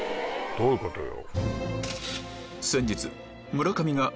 どういうことよ。